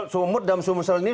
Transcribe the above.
sumut dan sumsel ini